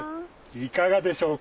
いかがでしょう？